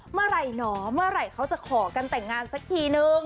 เมื่อไหร่หนอเมื่อไหร่เขาจะขอกันแต่งงานสักทีนึง